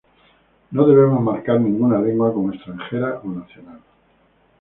No debemos marcar ninguna lengua como extranjera o nacional.".